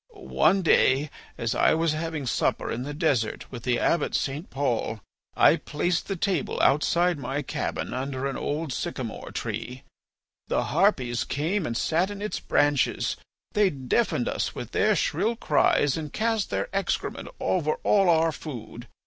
One day as I was having supper in the desert with the Abbot St. Paul, I placed the table outside my cabin under an old sycamore tree. The harpies came and sat in its branches; they deafened us with their shrill cries and cast their excrement over all our food.